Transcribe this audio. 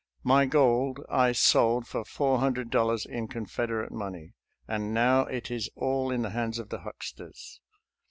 My gold I sold for four hun dred dollars in Confederate money, and now it is all in the hands of the hucksters.